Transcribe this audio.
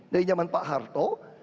dari zaman pak harto